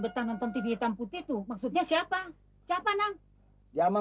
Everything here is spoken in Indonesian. betah nonton tv hitam putih tuh maksudnya siapa siapa nang ya sama